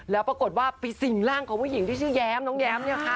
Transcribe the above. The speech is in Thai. แล้วปรากฏว่าไปสิ่งร่างของผู้หญิงที่ชื่อแย้มน้องแย้มเนี่ยค่ะ